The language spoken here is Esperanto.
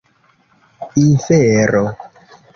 infero